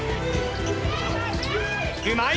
うまい！